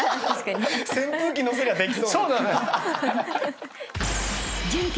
扇風機のせりゃできそう。